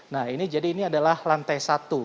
nah ini jadi ini adalah lantai satu